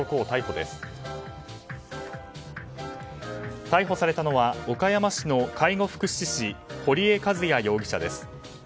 逮捕されたのは岡山市の介護福祉士堀江和也容疑者です。